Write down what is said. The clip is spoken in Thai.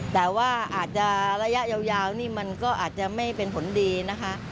แต่ว่าอาจจะระยะยาวนี่มันก็อาจจะไม่เป็นผลดีนะคะ